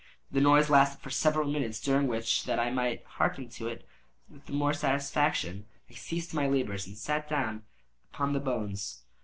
The noise lasted for several minutes, during which, that I might hearken to it with the more satisfaction, I ceased my labors and sat down upon the bones.